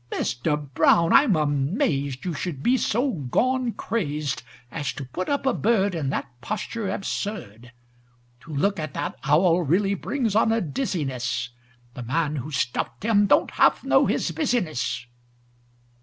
Mister Brown, I'm amazed You should be so gone crazed As to put up a bird In that posture absurd! To look at that owl really brings on a dizziness; The man who stuffed him don't half know his business!"